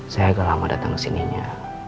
saya agak lama datang kesininya